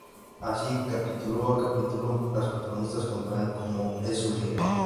Así, capítulo a capítulo, las protagonistas contarán cómo es su día a día.